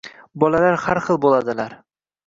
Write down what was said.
Bolalar har xil bo‘ladilar